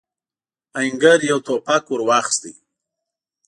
آهنګر يو ټوپک ور واخيست.